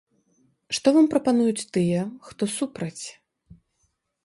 Што вам прапануюць тыя, хто супраць?